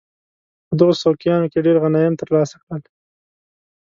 په دغو سوقیانو کې ډېر غنایم ترلاسه کړل.